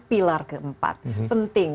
pilar keempat penting